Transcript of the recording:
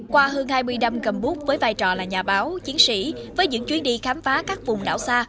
qua hơn hai mươi năm cầm bút với vai trò là nhà báo chiến sĩ với những chuyến đi khám phá các vùng đảo xa